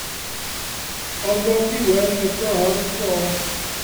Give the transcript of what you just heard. Ond o'r diwedd fe dorrodd y clo.